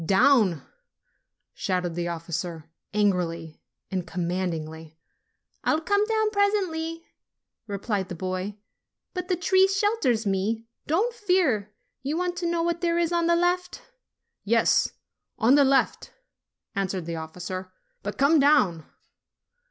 "Down !" shouted the officer, angrily and command ingly. "I'll come down presently," replied the boy. "But the tree shelters me. Don't fear. You want to know what there is on the left?" "Yes, on the left," answered the officer; "but come down."